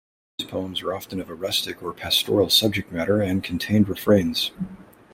These poems were often of a rustic or pastoral subject matter and contained refrains.